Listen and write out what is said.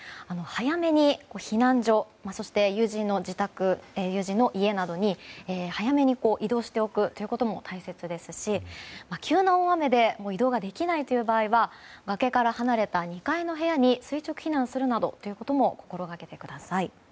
早めに避難所そして友人の家などに早めに移動しておくことも大切ですし急な大雨で移動ができないという場合は崖から離れた２階の部屋に垂直避難することも心がけてください。